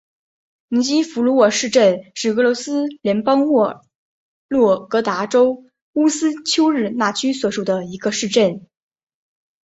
尼基福罗沃市镇是俄罗斯联邦沃洛格达州乌斯秋日纳区所属的一个市镇。